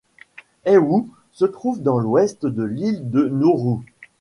Aiwo se trouve dans l'ouest de l'île de Nauru.